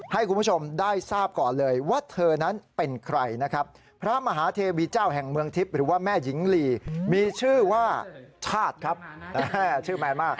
ให้คุณผู้ชมได้ทราบก่อนเลยว่าเธอนั้นเป็นใครนะครับพระมหาเทวีเจ้าแห่งเมืองทิพย์หรือว่าแม่หญิงลีมีชื่อว่าชาติครับชื่อแมนมาก